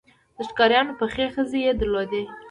د ښکاریانو پخې خزې یې درلودې.